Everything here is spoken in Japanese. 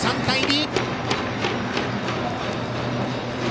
３対２。